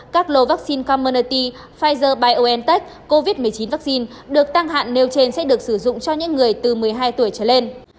các lô vaccine commerty pfizer biontech covid một mươi chín vaccine được tăng hạn nêu trên sẽ được sử dụng cho những người từ một mươi hai tuổi trở lên